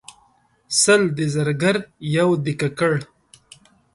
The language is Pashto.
سل د زرګر یو دګګر.